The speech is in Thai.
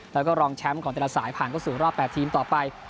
แล้วก็รองแชมป์ของแต่ละสายผ่านเข้าสู่รอบ๘ทีมต่อไป